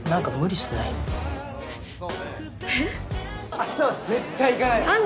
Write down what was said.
明日は絶対行かないなんで？